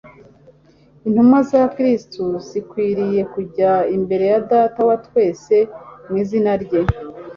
Intumwa za Kristo zikwiriye kujya imbere ya Data wa twese mu izina rye.